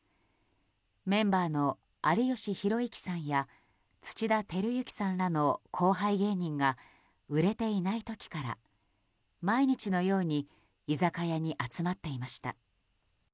メンバーの有吉弘行さんや土田晃之さんらの後輩芸人が売れていない時から毎日のように居酒屋に集まっていました。